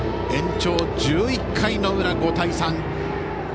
延長１１回の裏、５対３。